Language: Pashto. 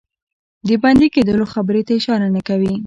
د بندي کېدلو خبري ته اشاره نه کوي.